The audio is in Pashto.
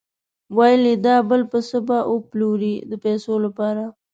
ویل یې دا بل پسه به وپلوري د پیسو لپاره.